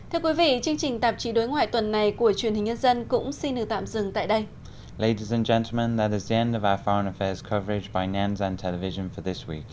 thưa quý vị chương trình tạp chí đối ngoại tuần này của truyền hình nhân dân cũng xin được tạm dừng tại đây